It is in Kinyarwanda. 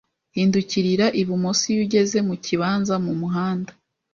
Hindukirira ibumoso iyo ugeze mukibanza mumuhanda.